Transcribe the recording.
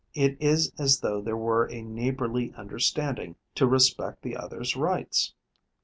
It is as though there were a neighbourly understanding to respect the others' rights.